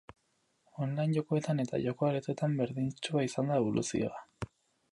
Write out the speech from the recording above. Online jokoetan eta joko aretoetan berdintsua izan da eboluzioa.